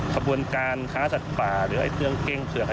ขบวนการค้าสัตว์ป่าหรือไอ้เครื่องเก้งเผือก